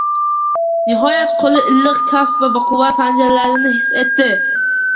Nihoyat, qo‘li iliq kaft va baquvvat panjalarni his etdi.